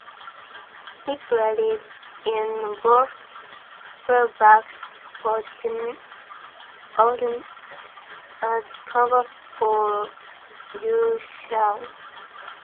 He played in both full back positions, often as cover for Joe Shaw.